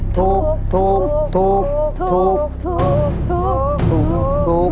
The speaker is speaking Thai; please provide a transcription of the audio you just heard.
ถูก